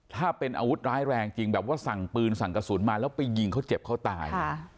ถ้าเป็นอาวุธร้ายแรงจริงแบบว่าสั่งปืนสั่งกระสุนมาแล้วไปยิงเขาเจ็บเขาตาย